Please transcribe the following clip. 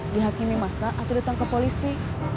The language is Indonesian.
dihakimi masa atau ditangkap polisi